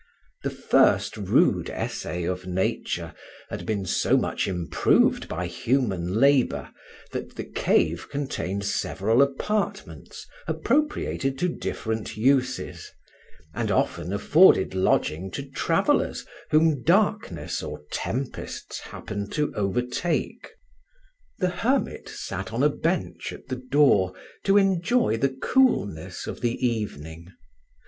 The first rude essay of Nature had been so much improved by human labour that the cave contained several apartments appropriated to different uses, and often afforded lodging to travellers whom darkness or tempests happened to overtake. The hermit sat on a bench at the door, to enjoy the coolness of the evening.